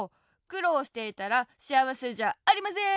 くろうしていたらしあわせじゃありません！